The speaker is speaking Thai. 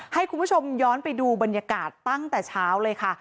ให้คุณผู้ชมย้อนไปดูบรรยากาศตั้งแต่เช้าเลยค่ะ